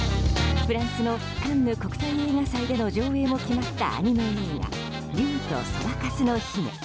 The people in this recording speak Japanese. フランスのカンヌ国際映画祭での上映も決まったアニメ映画「竜とそばかすの姫」。